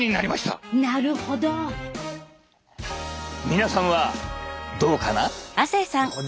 皆さんはどうかな？